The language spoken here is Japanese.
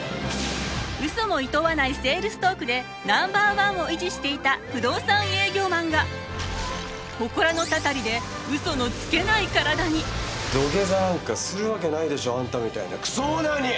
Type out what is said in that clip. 嘘もいとわないセールストークでナンバーワンを維持していた不動産営業マンが土下座なんかするわけないでしょあんたみたいなクソオーナーに！